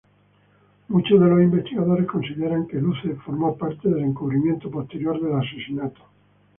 Muchos de los investigadores consideran que Luce formó parte del encubrimiento posterior del asesinato.